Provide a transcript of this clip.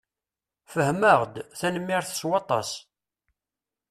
Fehmeɣ-d. Tanemmirt s waṭas.